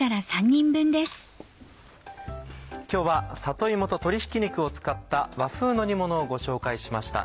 今日は里芋と鶏ひき肉を使った和風の煮物をご紹介しました。